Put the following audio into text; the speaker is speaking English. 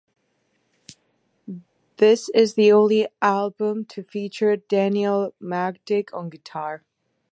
This is the only album to feature Daniel Magdic on guitar.